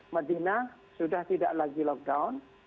madinah sudah tidak lagi lockdown